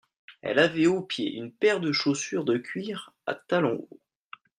Elle avait aux pieds une paire de chaussures de cuir à talons hauts.